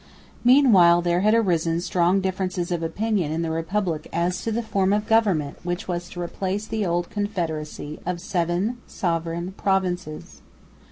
Meanwhile there had arisen strong differences of opinion in the Republic as to the form of government which was to replace the old confederacy of seven sovereign provinces.